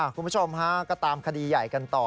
คุณผู้ชมฮะก็ตามคดีใหญ่กันต่อ